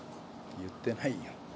言ってないよ。